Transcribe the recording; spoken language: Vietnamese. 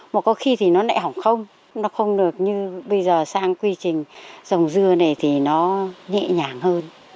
mà có khi thì nó lại hỏng không nó không được như bây giờ sang quy trình dòng dưa này thì nó nhẹ nhàng hơn